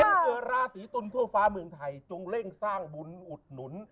คนเกิดราศีตุลทั่วฟ้าเมืองไทยจงเร่งสร้างบุญอุดหนุน